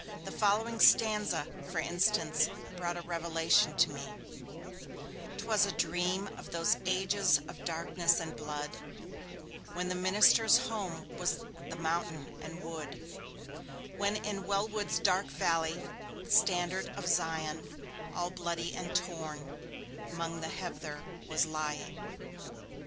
The following stanza, for instance, brought a revelation to me: 'Twas a dream of those ages of darkness and blood, When the minister's home was the mountain and wood; When in Wellwood's dark valley the standard of Zion, All bloody and torn, 'mong the heather was lying.